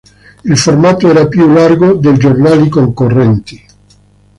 Il formato era più largo dei giornali concorrenti.